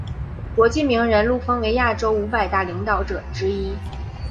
国际名人录封为亚洲五百大领导者之一。